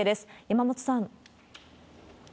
山本さん。